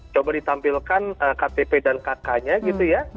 coba ditampilkan ktp dan kk nya gitu ya